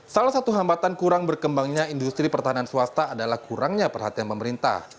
salah satu hambatan kurang berkembangnya industri pertahanan swasta adalah kurangnya perhatian pemerintah